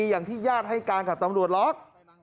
อย่างที่ญาติให้การกับตำรวจหรอก